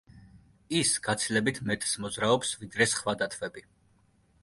ის გაცილებით მეტს მოძრაობს, ვიდრე სხვა დათვები.